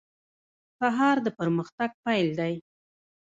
سهار د پرمختګ پیل دی.